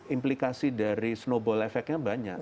implikasi dari snowball efeknya banyak